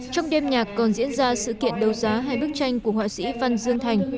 trong đêm nhạc còn diễn ra sự kiện đầu giá hai bức tranh của họa sĩ văn dương thành